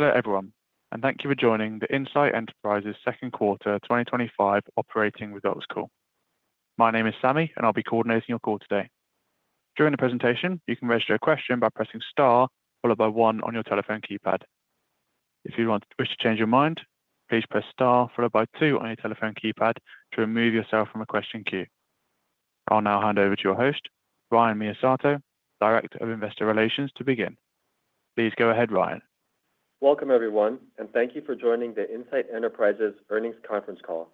Hello everyone, and thank you for joining the Insight Enterprises Quarter 2025 Operating Results Call. My name is Sammy, and I'll be coordinating your call today. During the presentation, you can register a question by pressing star followed by one on your telephone keypad. If you want to change your mind, please press star followed by two on your telephone keypad to remove yourself from a question queue. I'll now hand over to your host, Ryan Miyasato, Director of Investor Relations, to begin. Please go ahead, Ryan. Welcome everyone, and thank you for joining the Insight Enterprises Earnings Conference call.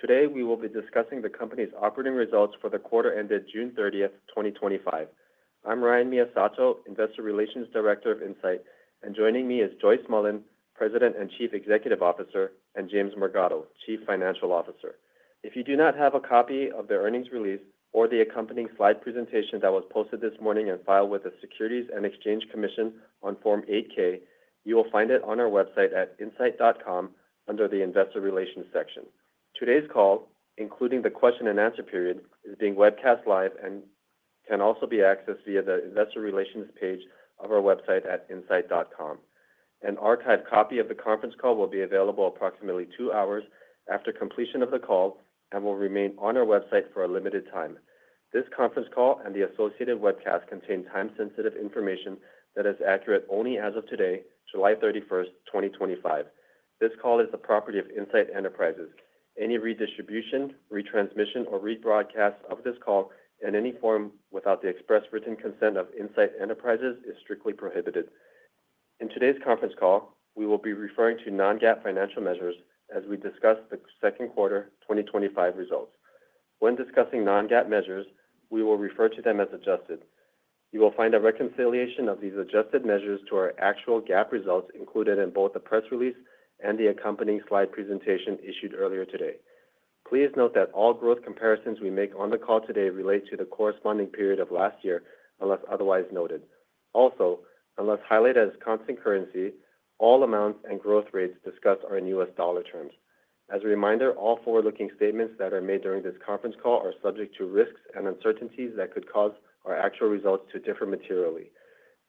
Today, we will be discussing the company's operating results for the quarter ended June 30th, 2025. I'm Ryan Miyasato, Investor Relations Director of Insight, and joining me is Joyce Mullen, President and Chief Executive Officer, and James Morgado, Chief Financial Officer. If you do not have a copy of the earnings release or the accompanying slide presentation that was posted this morning and filed with the Securities and Exchange Commission on Form 8-K, you will find it on our website at insight.com under the Investor Relations section. Today's call, including the question and answer period, is being webcast live and can also be accessed via the Investor Relations page of our website at insight.com. An archived copy of the conference call will be available approximately two hours after completion of the call and will remain on our website for a limited time. This conference call and the associated webcast contain time-sensitive information that is accurate only as of today, July 31st, 2025. This call is the property of Insight Enterprises. Any redistribution, retransmission, or rebroadcast of this call in any form without the express written consent of Insight Enterprises is strictly prohibited. In today's conference call, we will be referring to non-GAAP financial measures as we discuss the second quarter 2025 results. When discussing non-GAAP measures, we will refer to them as adjusted. You will find a reconciliation of these adjusted measures to our actual GAAP results included in both the press release and the accompanying slide presentation issued earlier today. Please note that all growth comparisons we make on the call today relate to the corresponding period of last year unless otherwise noted. Also, unless highlighted as constant currency, all amounts and growth rates discussed are in US dollar terms. As a reminder, all forward-looking statements that are made during this conference call are subject to risks and uncertainties that could cause our actual results to differ materially.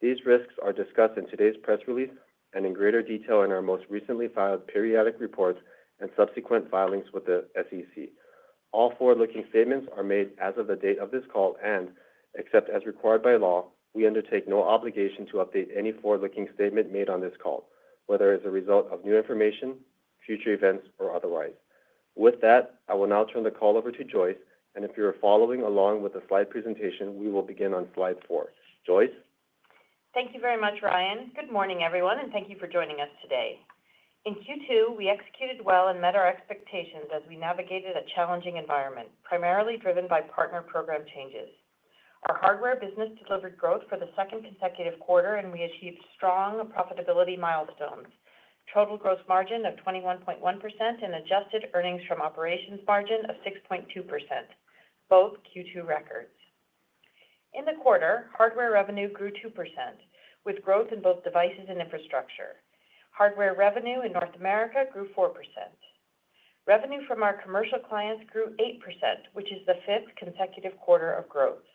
These risks are discussed in today's press release and in greater detail in our most recently filed periodic reports and subsequent filings with the SEC. All forward-looking statements are made as of the date of this call and, except as required by law, we undertake no obligation to update any forward-looking statement made on this call, whether it is a result of new information, future events, or otherwise. With that, I will now turn the call over to Joyce, and if you're following along with the slide presentation, we will begin on slide four. Joyce? Thank you very much, Ryan. Good morning, everyone, and thank you for joining us today. In Q2, we executed well and met our expectations as we navigated a challenging environment, primarily driven by partner program changes. Our hardware business delivered growth for the second consecutive quarter, and we achieved strong profitability milestones: total gross margin of 21.1% and adjusted earnings from operations margin of 6.2%, both Q2 records. In the quarter, hardware revenue grew 2%, with growth in both devices and infrastructure. Hardware revenue in North America grew 4%. Revenue from our commercial clients grew 8%, which is the fifth consecutive quarter of growth.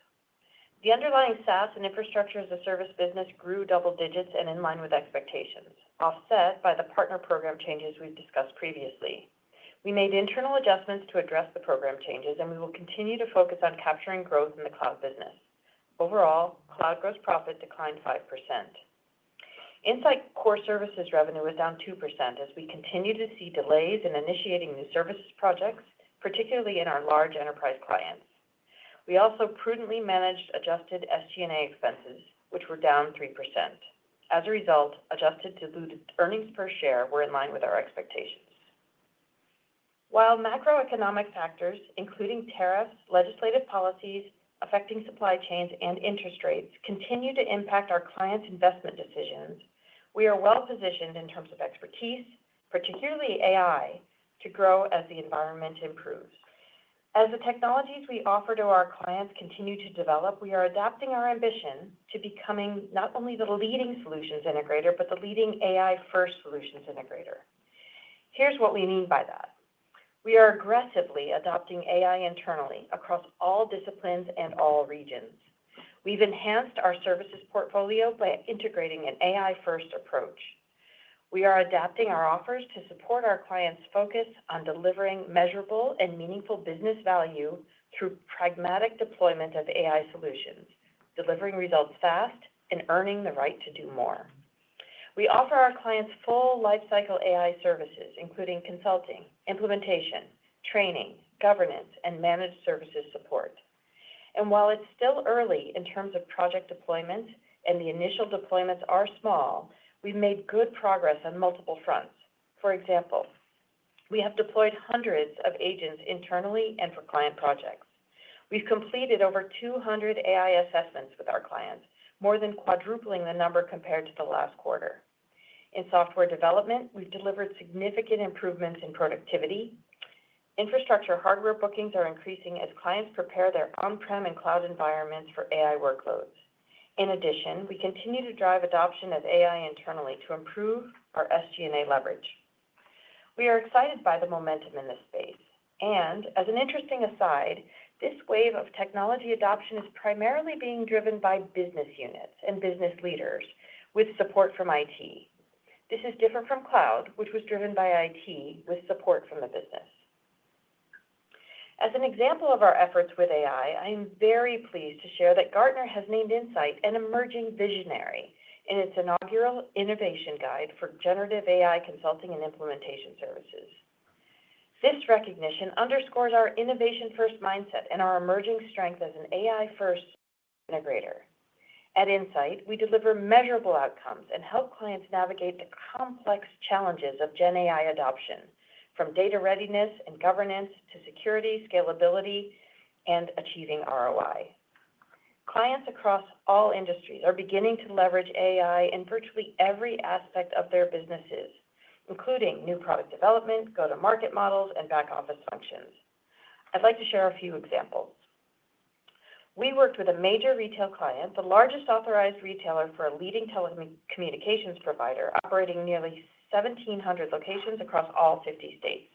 The underlying SaaS and infrastructure as a service business grew double digits and in line with expectations, offset by the partner program changes we've discussed previously. We made internal adjustments to address the program changes, and we will continue to focus on capturing growth in the cloud business. Overall, cloud gross profit declined 5%. Insight core services revenue was down 2% as we continue to see delays in initiating new services projects, particularly in our large enterprise clients. We also prudently managed adjusted SG&A expenses, which were down 3%. As a result, adjusted diluted earnings per share were in line with our expectations. While macroeconomic factors, including tariffs, legislative policies affecting supply chains, and interest rates, continue to impact our clients' investment decisions, we are well positioned in terms of expertise, particularly AI, to grow as the environment improves. As the technologies we offer to our clients continue to develop, we are adapting our ambition to becoming not only the leading solutions integrator, but the leading AI-first solutions integrator. Here is what we mean by that. We are aggressively adopting AI internally across all disciplines and all regions. We have enhanced our services portfolio by integrating an AI-first approach. We are adapting our offers to support our clients' focus on delivering measurable and meaningful business value through pragmatic deployment of AI solutions, delivering results fast, and earning the right to do more. We offer our clients full lifecycle AI services, including consulting, implementation, training, governance, and managed services support. While it is still early in terms of project deployments and the initial deployments are small, we have made good progress on multiple fronts. For example, we have deployed hundreds of agents internally and for client projects. We've completed over 200 AI assessments with our clients, more than quadrupling the number compared to the last quarter. In software development, we've delivered significant improvements in productivity. Infrastructure hardware bookings are increasing as clients prepare their on-prem and cloud environments for AI workloads. In addition, we continue to drive adoption of AI internally to improve our SG&A leverage. We are excited by the momentum in this space. This wave of technology adoption is primarily being driven by business units and business leaders with support from IT. This is different from cloud, which was driven by IT with support from the business. As an example of our efforts with AI, I am very pleased to share that Gartner has named Insight an emerging visionary in its inaugural innovation guide for generative AI consulting and implementation services. This recognition underscores our innovation-first mindset and our emerging strength as an AI-first integrator. At Insight, we deliver measurable outcomes and help clients navigate the complex challenges of Gen AI adoption, from data readiness and governance to security, scalability, and achieving ROI. Clients across all industries are beginning to leverage AI in virtually every aspect of their businesses, including new product development, go-to-market models, and back-office functions. I'd like to share a few examples. We worked with a major retail client, the largest authorized retailer for a leading telecommunications provider, operating nearly 1,700 locations across all 50 states.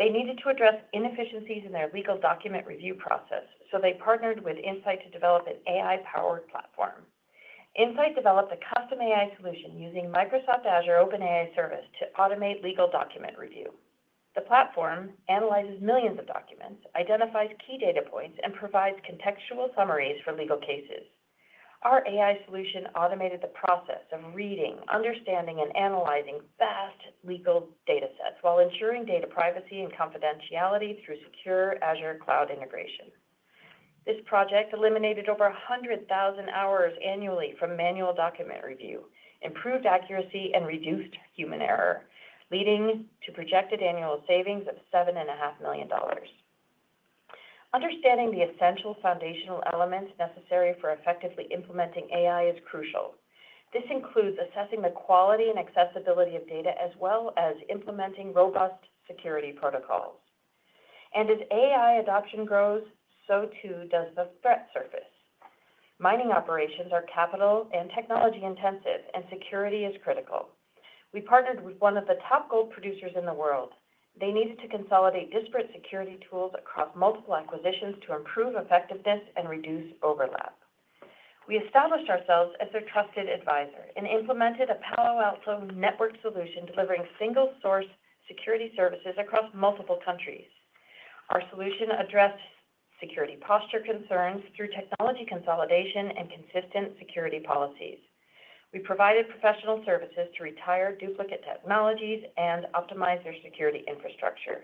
They needed to address inefficiencies in their legal document review process, so they partnered with Insight to develop an AI-powered platform. Insight developed a custom AI solution using Microsoft Azure OpenAI Service to automate legal document review. The platform analyzes millions of documents, identifies key data points, and provides contextual summaries for legal cases. Our AI solution automated the process of reading, understanding, and analyzing vast legal data sets while ensuring data privacy and confidentiality through secure Azure Cloud integration. This project eliminated over 100,000 hours annually from manual document review, improved accuracy, and reduced human error, leading to projected annual savings of $7.5 million. Understanding the essential foundational elements necessary for effectively implementing AI is crucial. This includes assessing the quality and accessibility of data, as well as implementing robust security protocols. As AI adoption grows, the threat surface grows as well. Mining operations are capital and technology-intensive, and security is critical. We partnered with one of the top gold producers in the world. They needed to consolidate disparate security tools across multiple acquisitions to improve effectiveness and reduce overlap. We established ourselves as their trusted advisor and implemented a Palo Alto Networks solution delivering single-source security services across multiple countries. Our solution addressed security posture concerns through technology consolidation and consistent security policies. We provided professional services to retire duplicate technologies and optimize their security infrastructure.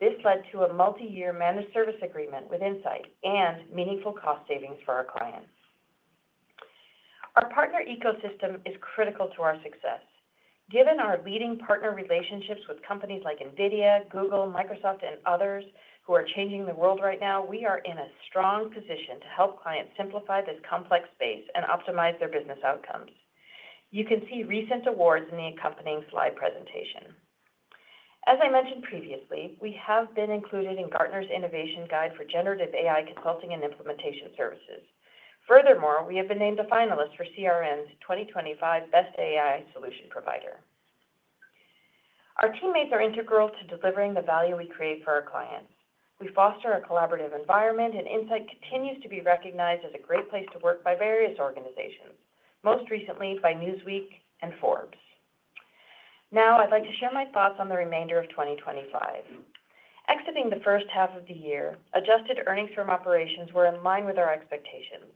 This led to a multi-year managed service agreement with Insight and meaningful cost savings for our clients. Our partner ecosystem is critical to our success. Given our leading partner relationships with companies like Nvidia, Google, Microsoft, and others who are changing the world right now, we are in a strong position to help clients simplify this complex space and optimize their business outcomes. You can see recent awards in the accompanying slide presentation. As I mentioned previously, we have been included in Gartner's innovation guide for generative AI consulting and implementation services. Furthermore, we have been named a finalist for CRM’s 2025 Best AI Solution Provider. Our teammates are integral to delivering the value we create for our clients. We foster a collaborative environment, and Insight continues to be recognized as a great place to work by various organizations, most recently by Newsweek and Forbes. Now, I'd like to share my thoughts on the remainder of 2025. Exiting the first half of the year, adjusted earnings from operations were in line with our expectations.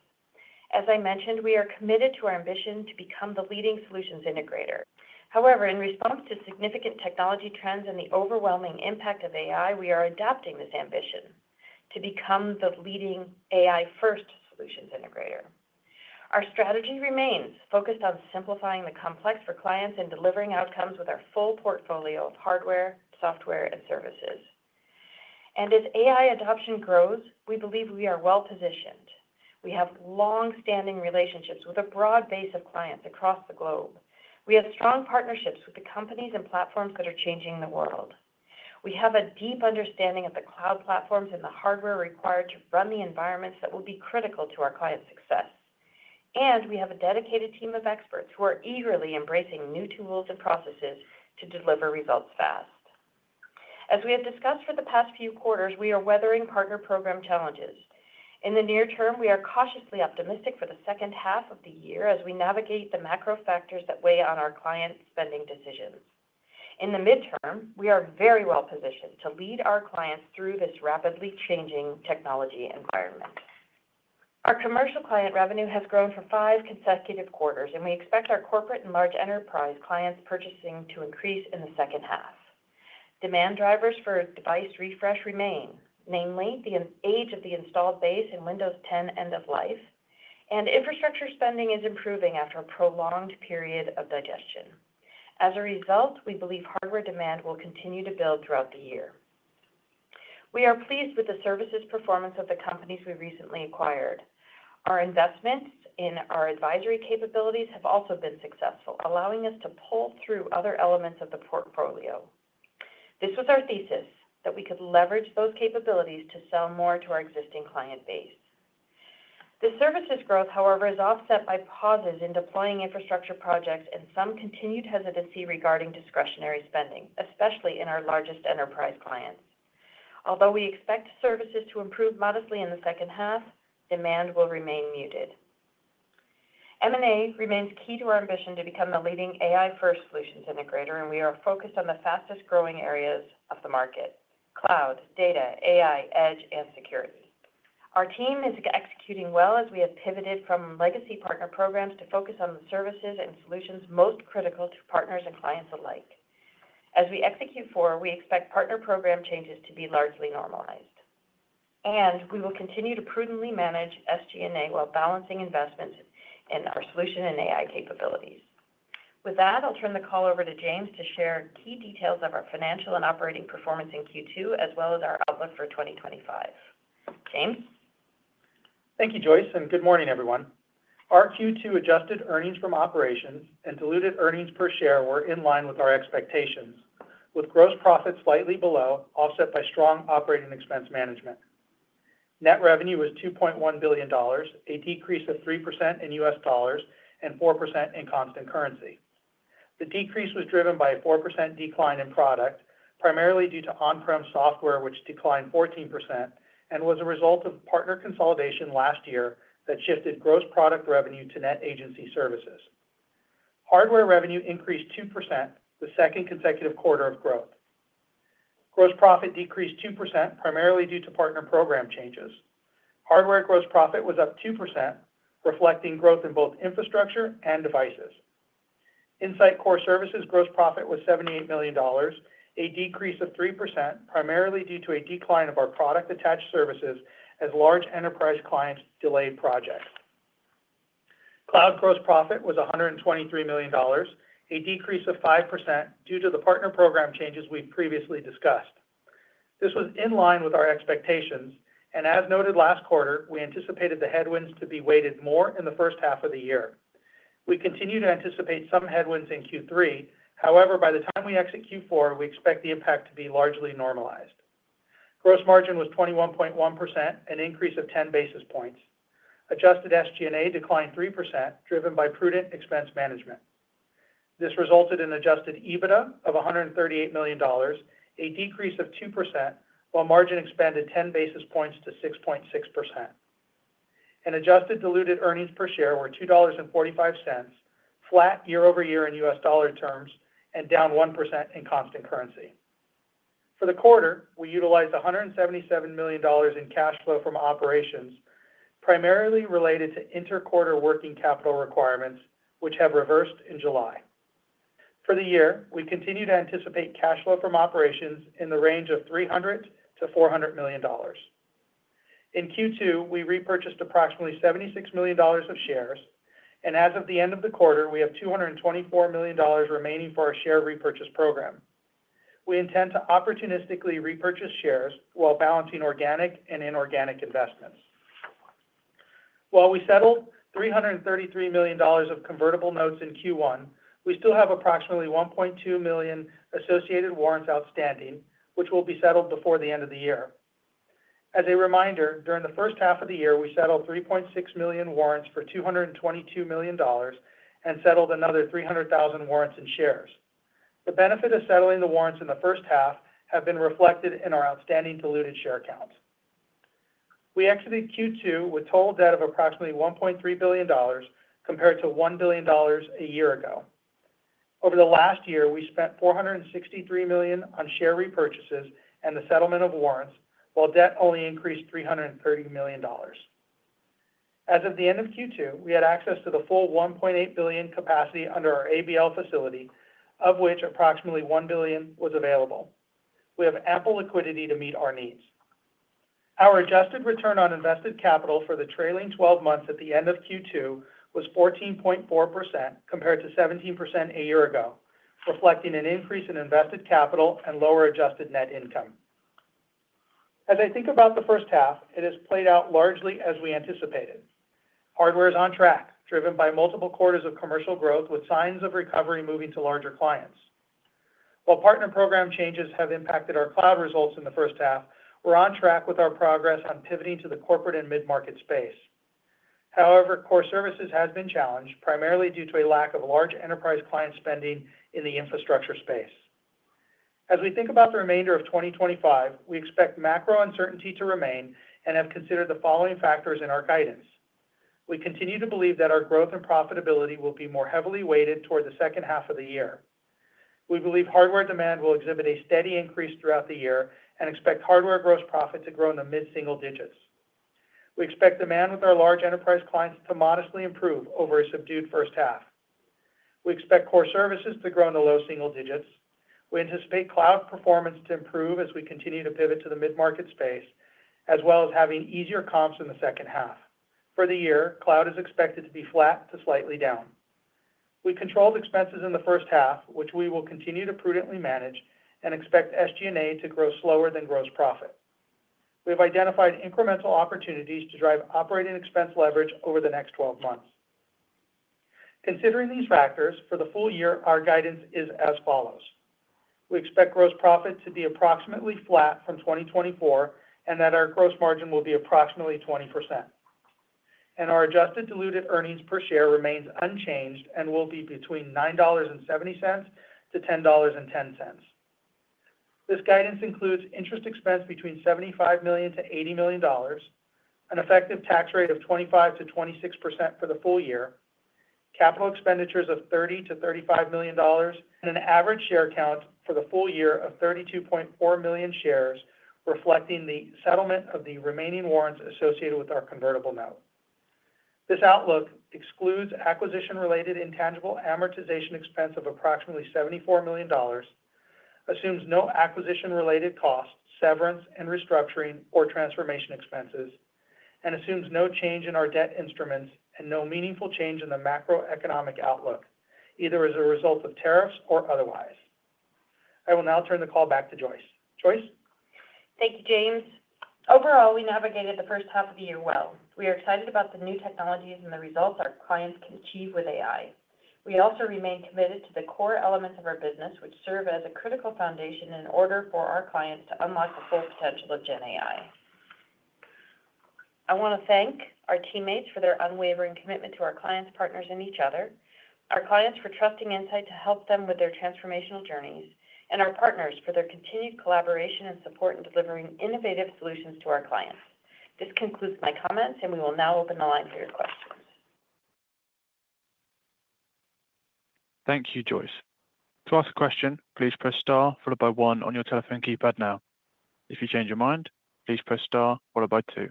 As I mentioned, we are committed to our ambition to become the leading solutions integrator. However, in response to significant technology trends and the overwhelming impact of AI, we are adapting this ambition to become the leading AI-first solutions integrator. Our strategy remains focused on simplifying the complex for clients and delivering outcomes with our full portfolio of hardware, software, and services. As AI adoption grows, we believe we are well positioned. We have long-standing relationships with a broad base of clients across the globe. We have strong partnerships with the companies and platforms that are changing the world. We have a deep understanding of the cloud platforms and the hardware required to run the environments that will be critical to our clients' success. We have a dedicated team of experts who are eagerly embracing new tools and processes to deliver results fast. As we have discussed for the past few quarters, we are weathering partner program challenges. In the near term, we are cautiously optimistic for the second half of the year as we navigate the macro factors that weigh on our client spending decisions. In the midterm, we are very well positioned to lead our clients through this rapidly changing technology environment. Our commercial client revenue has grown for five consecutive quarters, and we expect our corporate and large enterprise clients' purchasing to increase in the second half. Demand drivers for device refresh remain, namely the age of the installed base and Windows 10 end of life, and infrastructure spending is improving after a prolonged period of digestion. As a result, we believe hardware demand will continue to build throughout the year. We are pleased with the services performance of the companies we recently acquired. Our investments in our advisory capabilities have also been successful, allowing us to pull through other elements of the portfolio. This was our thesis: that we could leverage those capabilities to sell more to our existing client base. The services growth, however, is offset by pauses in deploying infrastructure projects and some continued hesitancy regarding discretionary spending, especially in our largest enterprise clients. Although we expect services to improve modestly in the second half, demand will remain muted. M&A remains key to our ambition to become the leading AI-first solutions integrator, and we are focused on the fastest growing areas of the market: cloud, data, AI, edge, and security. Our team is executing well as we have pivoted from legacy partner programs to focus on the services and solutions most critical to partners and clients alike. As we execute, we expect partner program changes to be largely normalized. We will continue to prudently manage SG&A while balancing investments in our solution and AI capabilities. With that, I'll turn the call over to James to share key details of our financial and operating performance in Q2, as well as our outlook for 2025. James? Thank you, Joyce, and good morning, everyone. Our Q2 adjusted earnings from operations and diluted earnings per share were in line with our expectations, with gross profits slightly below, offset by strong operating expense management. Net revenue was $2.1 billion, a decrease of 3% in U.S. dollars and 4% in constant currency. The decrease was driven by a 4% decline in product, primarily due to on-prem software, which declined 14% and was a result of partner consolidation last year that shifted gross product revenue to net agency services. Hardware revenue increased 2%, the second consecutive quarter of growth. Gross profit decreased 2%, primarily due to partner program changes. Hardware gross profit was up 2%, reflecting growth in both infrastructure and devices. Insight core services gross profit was $78 million, a decrease of 3%, primarily due to a decline of our product-attached services as large enterprise clients delayed projects. Cloud gross profit was $123 million, a decrease of 5% due to the partner program changes we previously discussed. This was in line with our expectations, and as noted last quarter, we anticipated the headwinds to be weighted more in the first half of the year. We continue to anticipate some headwinds in Q3. However, by the time we exit Q4, we expect the impact to be largely normalized. Gross margin was 21.1%, an increase of 10 basis points. Adjusted SG&A declined 3%, driven by prudent expense management. This resulted in adjusted EBITDA of $138 million, a decrease of 2%, while margin expanded 10 basis points to 6.6%. Adjusted diluted earnings per share were $2.45, flat year-over-year in U.S. dollar terms, and down 1% in constant currency. For the quarter, we utilized $177 million in cash flow from operations, primarily related to interquarter working capital requirements, which have reversed in July. For the year, we continue to anticipate cash flow from operations in the range of $300 million-$400 million. In Q2, we repurchased approximately $76 million of shares, and as of the end of the quarter, we have $224 million remaining for our share repurchase program. We intend to opportunistically repurchase shares while balancing organic and inorganic investments. While we settled $333 million of convertible notes in Q1, we still have approximately 1.2 million associated warrants outstanding, which will be settled before the end of the year. As a reminder, during the first half of the year, we settled 3.6 million warrants for $222 million and settled another 300,000 warrants in shares. The benefit of settling the warrants in the first half has been reflected in our outstanding diluted share counts. We exited Q2 with a total debt of approximately $1.3 billion compared to $1 billion a year ago. Over the last year, we spent $463 million on share repurchases and the settlement of warrants, while debt only increased $330 million. As of the end of Q2, we had access to the full $1.8 billion capacity under our ABL facility, of which approximately $1 billion was available. We have ample liquidity to meet our needs. Our adjusted return on invested capital for the trailing 12 months at the end of Q2 was 14.4% compared to 17% a year ago, reflecting an increase in invested capital and lower adjusted net income. As I think about the first half, it has played out largely as we anticipated. Hardware is on track, driven by multiple quarters of commercial growth with signs of recovery moving to larger clients. While partner program changes have impacted our cloud results in the first half, we're on track with our progress on pivoting to the corporate and mid-market space. However, core services have been challenged, primarily due to a lack of large enterprise client spending in the infrastructure space. As we think about the remainder of 2025, we expect macro uncertainty to remain and have considered the following factors in our guidance. We continue to believe that our growth and profitability will be more heavily weighted toward the second half of the year. We believe hardware demand will exhibit a steady increase throughout the year and expect hardware gross profit to grow in the mid-single digits. We expect demand with our large enterprise clients to modestly improve over a subdued first half. We expect core services to grow in the low single digits. We anticipate cloud performance to improve as we continue to pivot to the mid-market space, as well as having easier comps in the second half. For the year, cloud is expected to be flat to slightly down. We controlled expenses in the first half, which we will continue to prudently manage and expect SG&A to grow slower than gross profit. We have identified incremental opportunities to drive operating expense leverage over the next 12 months. Considering these factors, for the full year, our guidance is as follows. We expect gross profit to be approximately flat from 2024 and that our gross margin will be approximately 20%. Our adjusted diluted earnings per share remains unchanged and will be between $9.70-$10.10. This guidance includes interest expense between $75 million-$80 million, an effective tax rate of 25%-26% for the full year, capital expenditures of $30 million-$35 million, and an average share count for the full year of 32.4 million shares, reflecting the settlement of the remaining warrants associated with our convertible note. This outlook excludes acquisition-related intangible amortization expense of approximately $74 million, assumes no acquisition-related costs, severance, and restructuring or transformation expenses, and assumes no change in our debt instruments and no meaningful change in the macroeconomic outlook, either as a result of tariffs or otherwise. I will now turn the call back to Joyce. Joyce? Thank you, James. Overall, we navigated the first half of the year well. We are excited about the new technologies and the results our clients can achieve with AI. We also remain committed to the core elements of our business, which serve as a critical foundation in order for our clients to unlock the full potential of Gen AI. I want to thank our teammates for their unwavering commitment to our clients, partners, and each other, our clients for trusting Insight to help them with their transformational journeys, and our partners for their continued collaboration and support in delivering innovative solutions to our clients. This concludes my comments, and we will now open the line for your questions. Thank you, Joyce. To ask a question, please press star followed by one on your telephone keypad now. If you change your mind, please press star followed by two.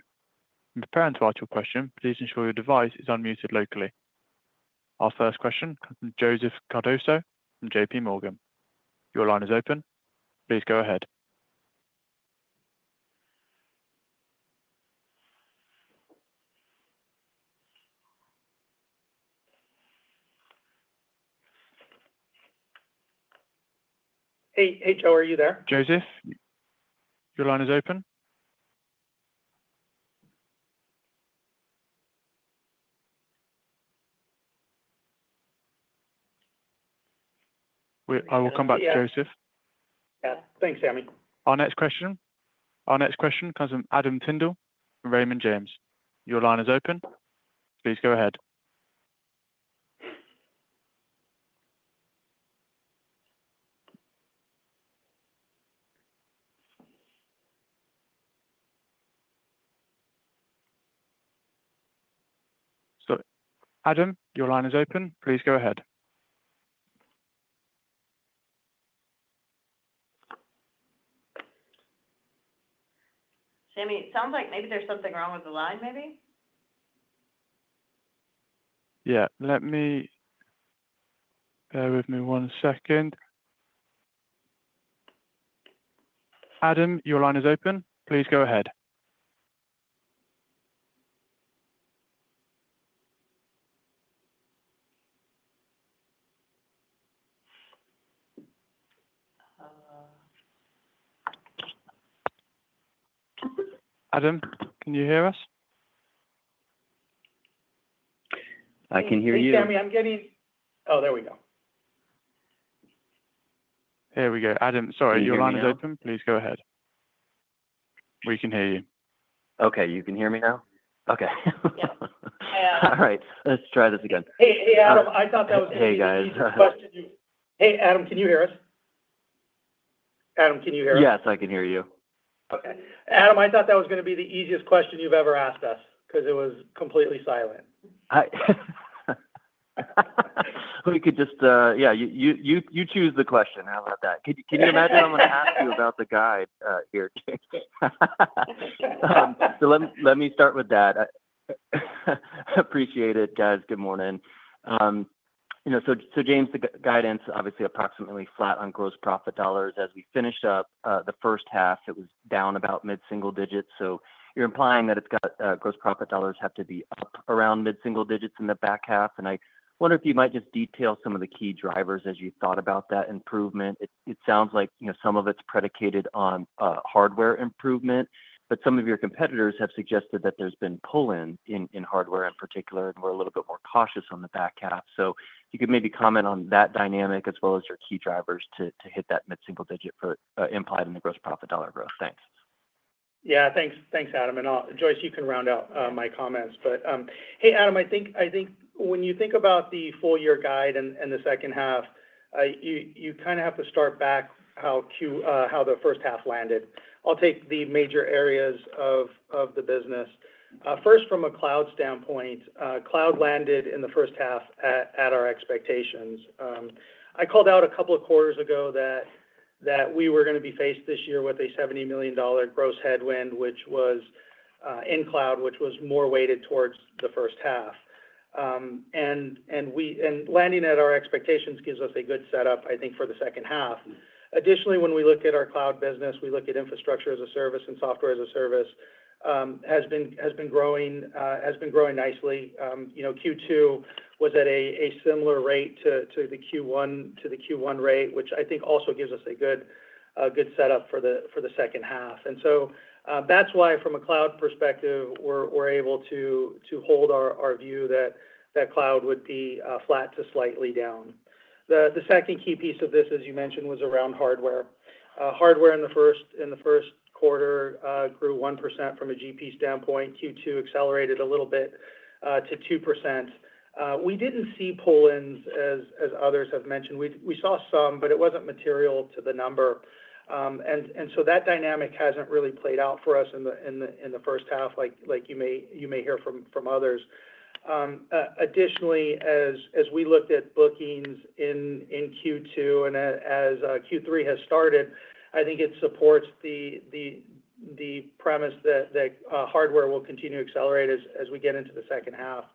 When preparing to ask your question, please ensure your device is unmuted locally. Our first question comes from Joseph Cardoso from JPMorgan. Your line is open. Please go ahead. Hey, are you there? Joseph, your line is open. I will come back to Joseph. Yeah, thanks, Sammy. Our next question comes from Adam Tindle from Raymond James. Your line is open. Please go ahead. Sammy, it sounds like maybe there's something wrong with the line, maybe? Yeah. Let me, bear with me one second. Adam, your line is open. Please go ahead. Adam, can you hear us? I can hear you. Hey, Sammy, I'm getting— Oh, there we go. Here we go. Adam, sorry, your line is open. Please go ahead. We can hear you. Okay, you can hear me now? Okay. Yeah, I am. All right. Let's try this again. Hey, Adam, I thought that was going to be the easiest question. Adam, can you hear us? Adam, can you hear us? Yes, I can hear you. Okay, Adam, I thought that was going to be the easiest question you've ever asked us because it was completely silent. We could just, yeah, you choose the question. How about that? Can you imagine I'm going to ask you about the guide here, James? Let me start with that. I appreciate it, guys. Good morning. You know, James, the guidance, obviously, approximately flat on gross profit dollars. As we finish up the first half, it was down about mid-single digits. You're implying that gross profit dollars have to be up around mid-single digits in the back half. I wonder if you might just detail some of the key drivers as you thought about that improvement. It sounds like some of it's predicated on hardware improvement, but some of your competitors have suggested that there's been pull-in in hardware in particular, and we're a little bit more cautious on the back half. If you could maybe comment on that dynamic as well as your key drivers to hit that mid-single digit implied in the gross profit dollar growth. Thanks. Yeah, thanks, thanks, Adam. Joyce, you can round out my comments. Hey, Adam, I think when you think about the full-year guide and the second half, you kind of have to start back how the first half landed. I'll take the major areas of the business. First, from a cloud standpoint, cloud landed in the first half at our expectations. I called out a couple of quarters ago that we were going to be faced this year with a $70 million gross headwind, which was in cloud, which was more weighted towards the first half. Landing at our expectations gives us a good setup, I think, for the second half. Additionally, when we look at our cloud business, we look at infrastructure as a service and software as a service. It has been growing nicely. Q2 was at a similar rate to the Q1 rate, which I think also gives us a good setup for the second half. That's why, from a cloud perspective, we're able to hold our view that cloud would be flat to slightly down. The second key piece of this, as you mentioned, was around hardware. Hardware in the first quarter grew 1% from a GP standpoint. Q2 accelerated a little bit to 2%. We didn't see pull-ins as others have mentioned. We saw some, but it wasn't material to the number. That dynamic hasn't really played out for us in the first half, like you may hear from others. Additionally, as we looked at bookings in Q2 and as Q3 has started, I think it supports the premise that hardware will continue to accelerate as we get into the second half.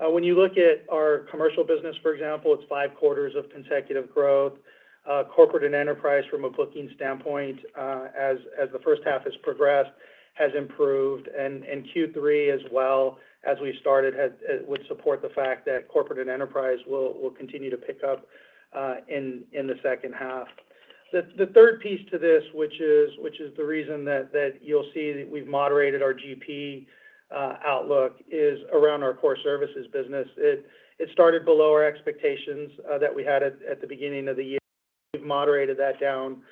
When you look at our commercial business, for example, it's five quarters of consecutive growth. Corporate and enterprise from a booking standpoint, as the first half has progressed, has improved. Q3, as well as we started, would support the fact that corporate and enterprise will continue to pick up in the second half. The third piece to this, which is the reason that you'll see that we've moderated our GP outlook, is around our core services business. It started below our expectations that we had at the beginning of the year. We've moderated that down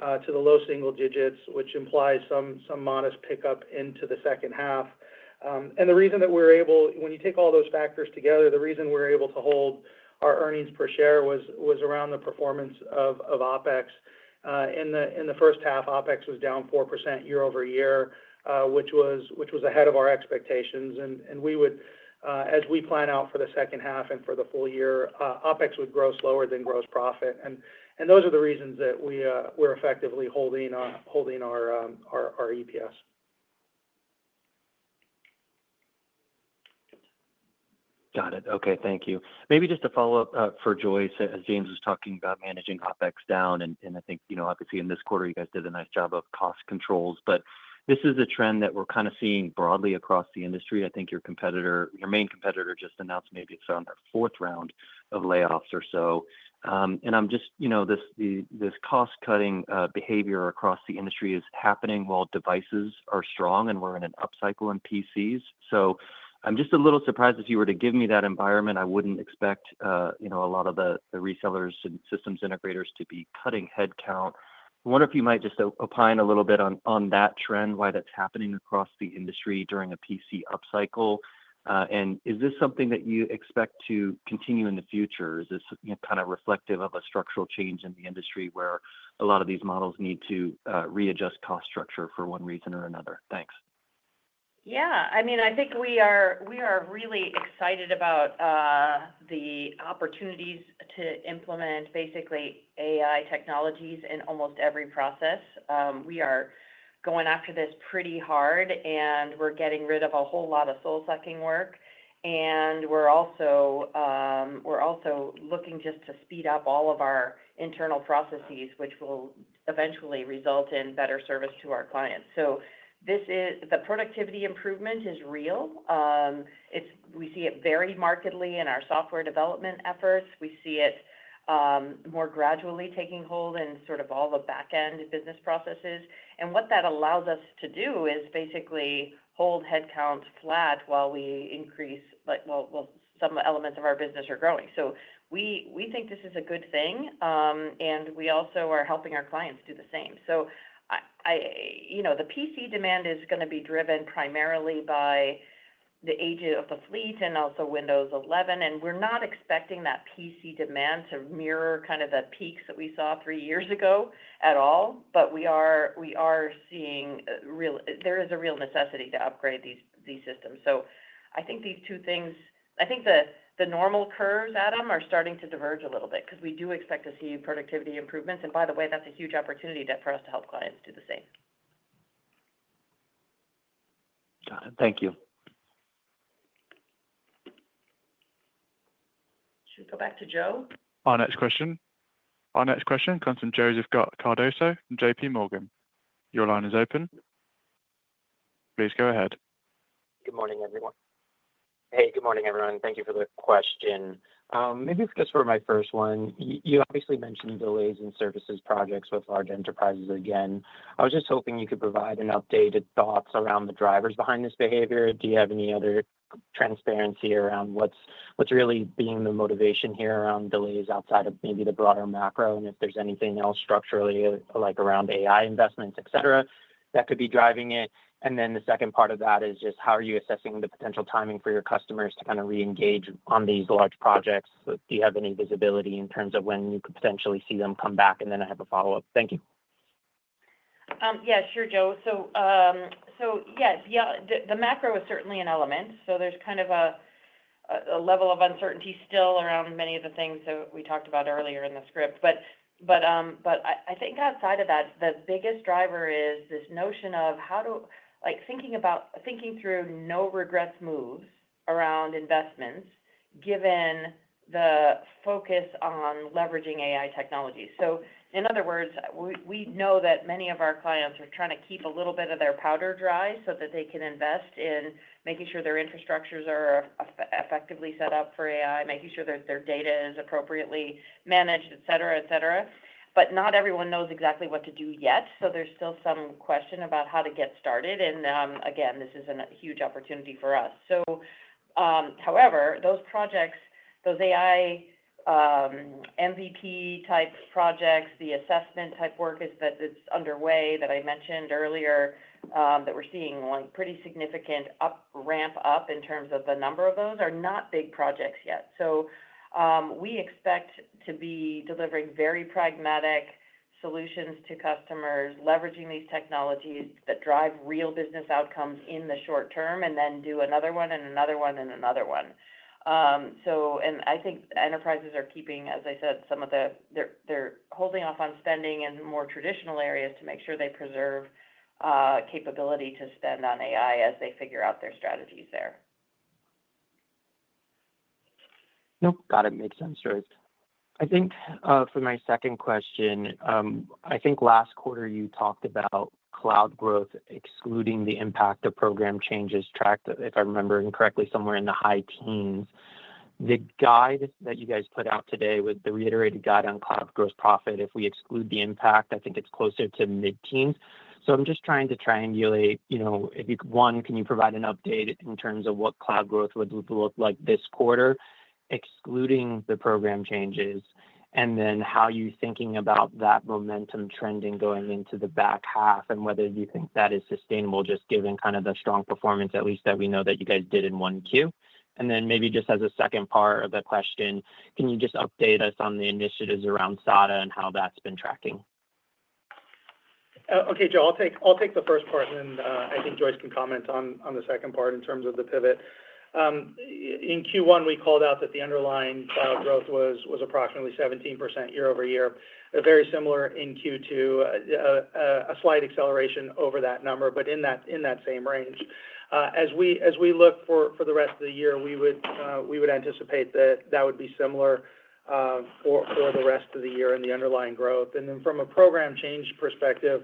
to the low single digits, which implies some modest pickup into the second half. The reason that we're able, when you take all those factors together, the reason we're able to hold our earnings per share was around the performance of OpEx. In the first half, OpEx was down 4% year-over-year, which was ahead of our expectations. As we plan out for the second half and for the full year, OpEx would grow slower than gross profit. Those are the reasons that we're effectively holding our EPS. Got it. Okay. Thank you. Maybe just a follow-up for Joyce, as James was talking about managing OpEx down. I think, obviously, in this quarter, you guys did a nice job of cost controls. This is a trend that we're kind of seeing broadly across the industry. I think your main competitor just announced maybe it's on their fourth round of layoffs or so. This cost-cutting behavior across the industry is happening while devices are strong and we're in an upcycle in PCs. I'm just a little surprised if you were to give me that environment. I wouldn't expect a lot of the resellers and systems integrators to be cutting headcount. I wonder if you might just opine a little bit on that trend, why that's happening across the industry during a PC upcycle. Is this something that you expect to continue in the future? Is this kind of reflective of a structural change in the industry where a lot of these models need to readjust cost structure for one reason or another? Thanks. Yeah. I mean, I think we are really excited about the opportunities to implement basically AI technologies in almost every process. We are going after this pretty hard, and we're getting rid of a whole lot of soul-sucking work. We're also looking just to speed up all of our internal processes, which will eventually result in better service to our clients. This productivity improvement is real. We see it very markedly in our software development efforts. We see it more gradually taking hold in sort of all the backend business processes. What that allows us to do is basically hold headcounts flat while we increase, well, some elements of our business are growing. We think this is a good thing. We also are helping our clients do the same. The PC demand is going to be driven primarily by the age of the fleet and also Windows 11. We're not expecting that PC demand to mirror kind of the peaks that we saw three years ago at all. We are seeing real, there is a real necessity to upgrade these systems. I think these two things, I think the normal curves, Adam, are starting to diverge a little bit because we do expect to see productivity improvements. By the way, that's a huge opportunity for us to help clients do the same. Got it. Thank you. Should we go back to Joe? Our next question comes from Joseph Cardoso from JPMorgan. Your line is open. Please go ahead. Good morning everyone. Hey. Good morning, everyone. Thank you for the question. Maybe just for my first one, you obviously mentioned delays in services projects with large enterprises again. I was just hoping you could provide an update to thoughts around the drivers behind this behavior. Do you have any other transparency around what's really being the motivation here around delays outside of maybe the broader macro? If there's anything else structurally, like around AI investments, et cetera, that could be driving it. The second part of that is just how are you assessing the potential timing for your customers to kind of re-engage on these large projects? Do you have any visibility in terms of when you could potentially see them come back? I have a follow-up. Thank you. Yeah, sure, Joe. Yes, the macro is certainly an element. There is kind of a level of uncertainty still around many of the things that we talked about earlier in the script. I think outside of that, the biggest driver is this notion of how to, like, thinking about thinking through no-regrets moves around investments, given the focus on leveraging AI technologies. In other words, we know that many of our clients are trying to keep a little bit of their powder dry so that they can invest in making sure their infrastructures are effectively set up for AI, making sure that their data is appropriately managed, et cetera, et cetera. Not everyone knows exactly what to do yet. There is still some question about how to get started. This is a huge opportunity for us. However, those projects, those AI MVP type projects, the assessment type work that's underway that I mentioned earlier, that we're seeing like pretty significant ramp up in terms of the number of those are not big projects yet. We expect to be delivering very pragmatic solutions to customers, leveraging these technologies that drive real business outcomes in the short term, and then do another one and another one and another one. I think enterprises are keeping, as I said, some of their holding off on spending in more traditional areas to make sure they preserve capability to spend on AI as they figure out their strategies there. Got it. Makes sense, Joyce. I think for my second question, last quarter you talked about cloud growth excluding the impact of program changes tracked, if I remember incorrectly, somewhere in the high teens. The guide that you guys put out today with the reiterated guide on cloud gross profit, if we exclude the impact, I think it's closer to mid-teens. I'm just trying to triangulate, you know, if you, one, can you provide an update in terms of what cloud growth would look like this quarter, excluding the program changes, and then how you're thinking about that momentum trending going into the back half and whether you think that is sustainable, just given kind of the strong performance, at least that we know that you guys did in Q1. Maybe just as a second part of the question, can you just update us on the initiatives around SADA and how that's been tracking? Okay, Joe. I'll take the first part, and then I think Joyce can comment on the second part in terms of the pivot. In Q1, we called out that the underlying cloud growth was approximately 17% year-over-year, very similar in Q2, a slight acceleration over that number, but in that same range. As we look for the rest of the year, we would anticipate that that would be similar for the rest of the year in the underlying growth. From a program change perspective,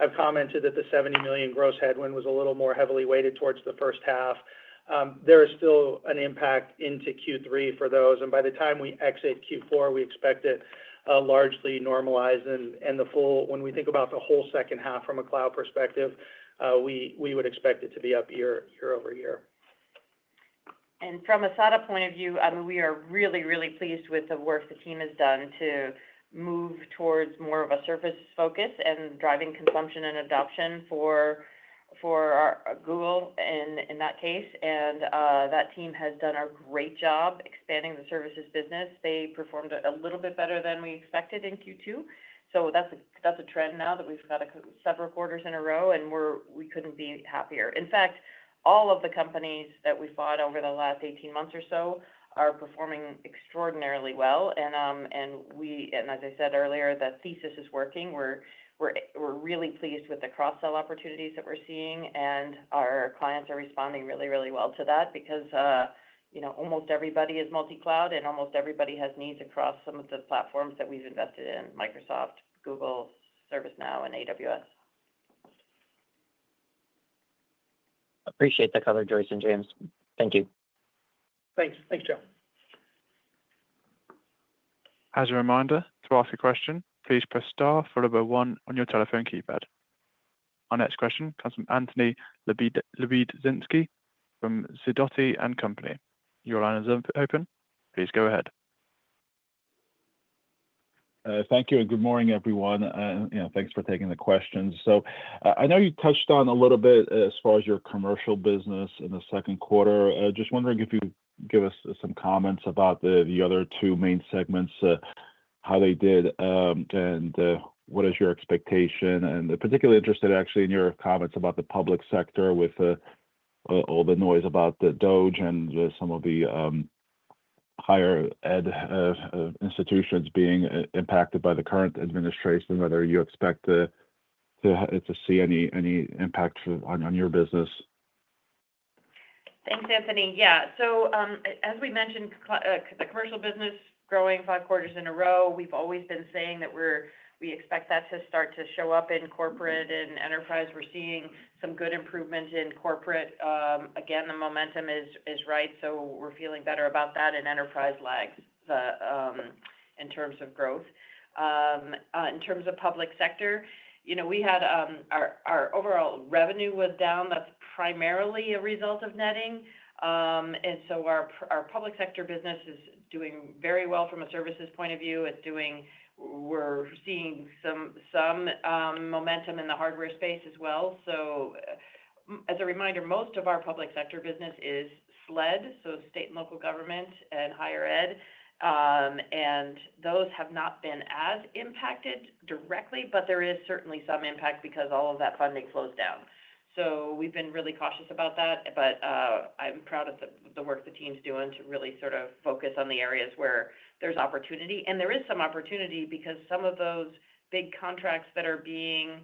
I've commented that the $70 million gross headwind was a little more heavily weighted towards the first half. There is still an impact into Q3 for those. By the time we exit Q4, we expect it largely normalized. When we think about the whole second half from a cloud perspective, we would expect it to be up year-over-year. From a SADA point of view, we are really, really pleased with the work the team has done to move towards more of a services focus and driving consumption and adoption for Google in that case. That team has done a great job expanding the services business. They performed a little bit better than we expected in Q2. That is a trend now that we've got several quarters in a row, and we couldn't be happier. In fact, all of the companies that we bought over the last 18 months or so are performing extraordinarily well. As I said earlier, the thesis is working. We're really pleased with the cross-sell opportunities that we're seeing, and our clients are responding really, really well to that because almost everybody is multi-cloud, and almost everybody has needs across some of the platforms that we've invested in: Microsoft, Google, ServiceNow, and AWS. Appreciate the color, Joyce and James. Thank you. Thanks, Joe. As a reminder, to ask a question, please press star followed by one on your telephone keypad. Our next question comes from Anthony Lebidzinski from Sidoti & Company. Your line is open. Please go ahead. Thank you, and good morning, everyone. Thanks for taking the questions. I know you touched on a little bit as far as your commercial business in the second quarter. I am just wondering if you could give us some comments about the other two main segments, how they did, and what is your expectation. I am particularly interested, actually, in your comments about the public sector with all the noise about the DOJ and some of the higher ed institutions being impacted by the current administration, whether you expect to see any impact on your business. Thanks, Anthony. Yeah. As we mentioned, the commercial business growing five quarters in a row, we've always been saying that we expect that to start to show up in corporate and enterprise. We're seeing some good improvements in corporate. Again, the momentum is right. We're feeling better about that in enterprise lags in terms of growth. In terms of public sector, our overall revenue was down. That's primarily a result of netting. Our public sector business is doing very well from a services point of view. We're seeing some momentum in the hardware space as well. As a reminder, most of our public sector business is SLED, so state and local government and higher ed. Those have not been as impacted directly, but there is certainly some impact because all of that funding flows down. We've been really cautious about that. I'm proud of the work the team's doing to really sort of focus on the areas where there's opportunity. There is some opportunity because some of those big contracts that are being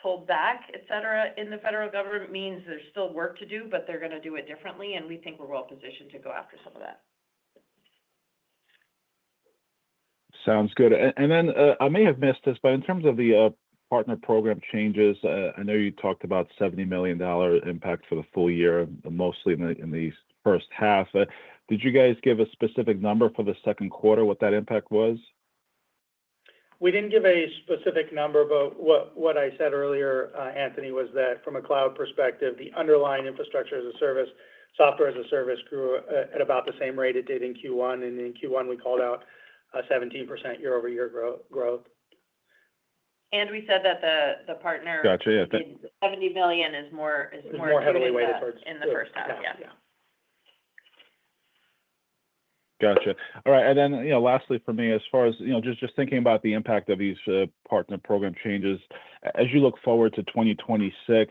pulled back, etc., in the federal government means there's still work to do, but they're going to do it differently. We think we're well positioned to go after some of that. Sounds good. In terms of the partner program changes, I know you talked about a $70 million impact for the full year, mostly in the first half. Did you guys give a specific number for the second quarter, what that impact was? We didn't give a specific number, but what I said earlier, Anthony, was that from a cloud perspective, the underlying Software as a Service. Software as a Service grew at about the same rate it did in Q1. In Q1, we called out a 17% year-over-year growth. We said that the partner. Got it. Yeah. The $70 million is more. More heavily weighted towards. In the first half, yeah. Got it. All right. Lastly for me, as far as just thinking about the impact of these partner program changes, as you look forward to 2026,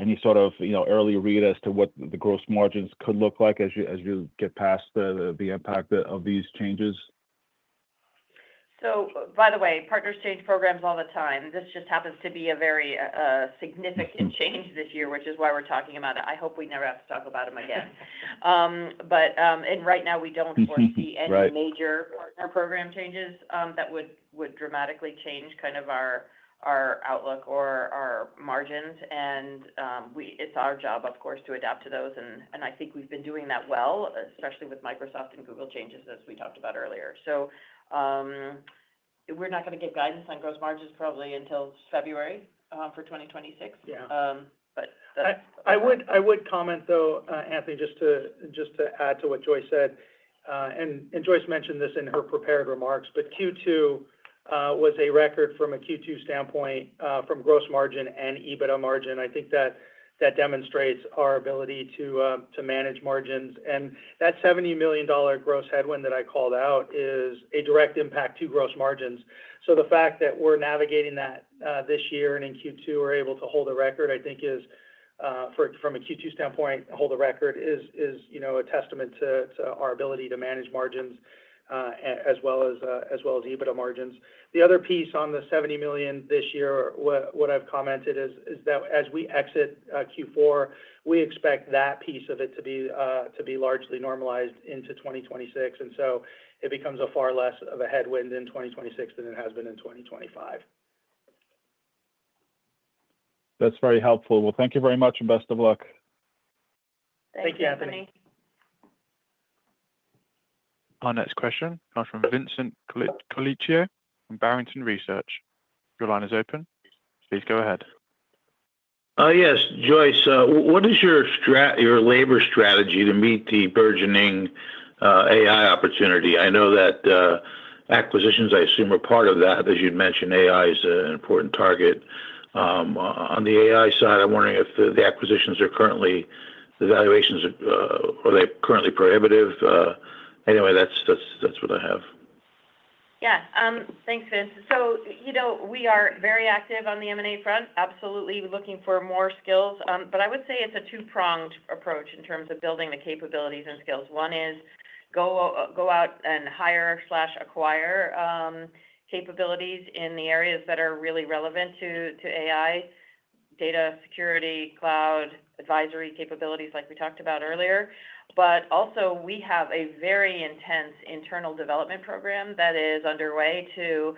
any sort of early read as to what the gross margins could look like as you get past the impact of these changes? By the way, partners change programs all the time. This just happens to be a very significant change this year, which is why we're talking about it. I hope we never have to talk about them again. Right now, we don't see any major partner program changes that would dramatically change kind of our outlook or our margins. It's our job, of course, to adapt to those. I think we've been doing that well, especially with Microsoft and Google changes, as we talked about earlier. We're not going to get guidance on gross margins probably until February for 2026. Yeah, but that's. I would comment, though, Anthony, just to add to what Joyce said. Joyce mentioned this in her prepared remarks, but Q2 was a record from a Q2 standpoint for gross margin and EBITDA margin. I think that demonstrates our ability to manage margins. That $70 million gross headwind that I called out is a direct impact to gross margins. The fact that we're navigating that this year and in Q2 are able to hold a record, I think, from a Q2 standpoint, is a testament to our ability to manage margins as well as EBITDA margins. The other piece on the $70 million this year, what I've commented is that as we exit Q4, we expect that piece of it to be largely normalized into 2026. It becomes far less of a headwind in 2026 than it has been in 2025. That's very helpful. Thank you very much, and best of luck. Thank you, Anthony. Thanks, Anthony. Our next question comes from Vincent Colicchio from Barrington Research. Your line is open. Please go ahead. Yes. Joyce, what is your labor strategy to meet the burgeoning AI opportunity? I know that acquisitions, I assume, are part of that. As you mentioned, AI is an important target. On the AI side, I'm wondering if the acquisitions are currently, the valuations, are they currently prohibitive? Anyway, that's what I have. Yeah. Thanks, Vincent. We are very active on the M&A front, absolutely looking for more skills. I would say it's a two-pronged approach in terms of building the capabilities and skills. One is go out and hire or acquire capabilities in the areas that are really relevant to AI, data security, cloud, advisory capabilities, like we talked about earlier. We have a very intense internal development program that is underway to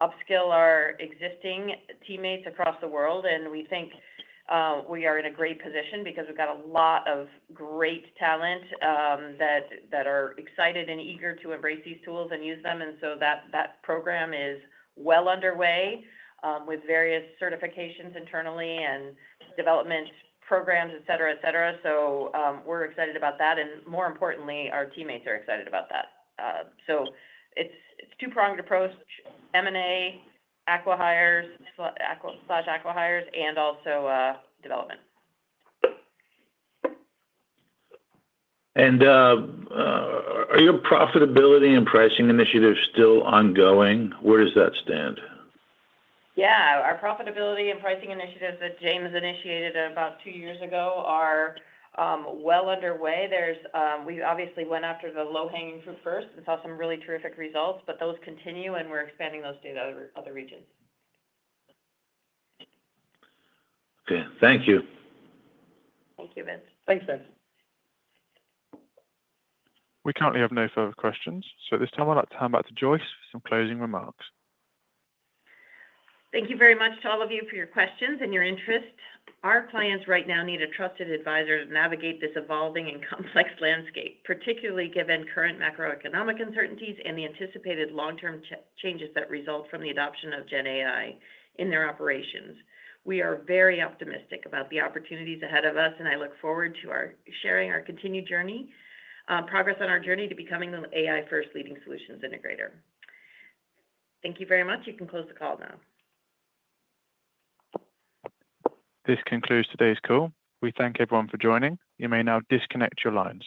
upskill our existing teammates across the world. We think we are in a great position because we've got a lot of great talent that are excited and eager to embrace these tools and use them. That program is well underway with various certifications internally and development programs, etc. We are excited about that. More importantly, our teammates are excited about that. It's a two-pronged approach: M&A, acqui-hires, acqui-hires, and also development. Are your profitability and pricing initiatives still ongoing? Where does that stand? Yeah. Our profitability and pricing initiatives that James initiated about two years ago are well underway. We obviously went after the low-hanging fruit first and saw some really terrific results, those continue, and we're expanding those to the other regions. Okay, thank you. Thank you, Vincent. Thanks, Vincent. We currently have no further questions. At this time, I'd like to turn back to Joyce for some closing remarks. Thank you very much to all of you for your questions and your interest. Our clients right now need a trusted advisor to navigate this evolving and complex landscape, particularly given current macroeconomic uncertainties and the anticipated long-term changes that result from the adoption of Gen AI in their operations. We are very optimistic about the opportunities ahead of us, and I look forward to sharing our continued journey, progress on our journey to becoming the AI-first leading solutions integrator. Thank you very much. You can close the call now. This concludes today's call. We thank everyone for joining. You may now disconnect your lines.